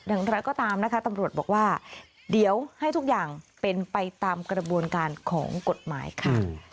อย่างไรก็ตามนะคะตำรวจบอกว่าเดี๋ยวให้ทุกอย่างเป็นไปตามกระบวนการของกฎหมายค่ะ